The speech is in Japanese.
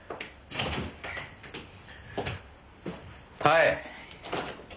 はい。